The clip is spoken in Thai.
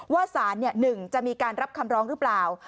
ว่าสาร๑จะมีการรับคำร้องหรือเปล่า